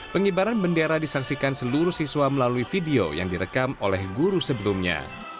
pengibaran bendera disaksikan seluruh siswa melalui video yang direkam oleh guru sebelumnya